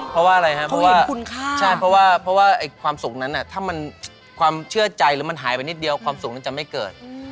เพราะว่าอะไรฮะเพราะว่าความสุขนั้นน่ะถ้ามันความเชื่อใจหายไปนิดเดียวความสุขนั้นจะไม่เกิด